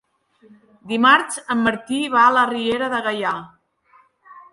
Dimarts en Martí va a la Riera de Gaià.